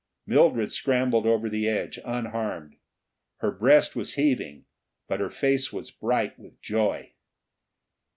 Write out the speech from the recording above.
Mildred scrambled over the edge, unharmed. Her breast was heaving, but her face was bright with joy.